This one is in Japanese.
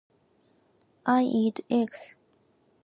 I eat eggs.